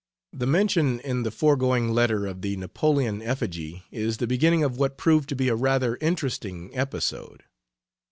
The mention in the foregoing letter of the Napoleon effigy is the beginning of what proved to be a rather interesting episode.